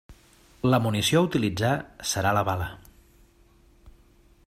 La munició a utilitzar serà la bala.